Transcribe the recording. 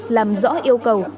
làm rõ yêu cầu